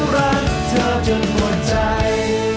รักเธอจนหมดใจ